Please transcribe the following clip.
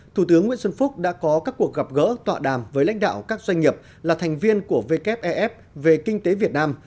thủ tướng nguyễn xuân phúc đã có các cuộc gặp gỡ tọa đàm với lãnh đạo các doanh nghiệp là thành viên của wef về kinh tế việt nam